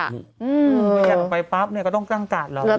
วันไปปั๊บเนี่ยก็ต้องน่าจ้างต่ำรอ